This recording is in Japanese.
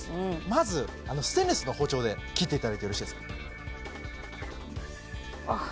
まずステンレスの包丁で切っていただいてよろしいですかあっ